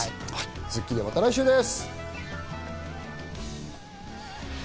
『スッキリ』はまた来週です。